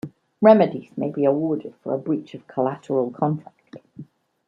Remedies may be awarded for breach of a collateral contract.